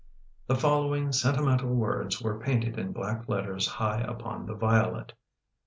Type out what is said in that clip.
The following sentimental words were painted in black letters high upon the violet.